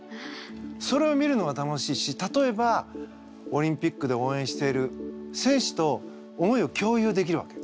それを見るのが楽しいし例えばオリンピックで応援している選手と思いを共有できるわけ。